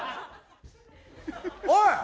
おい！